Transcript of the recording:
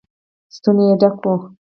ستونی يې ډک و.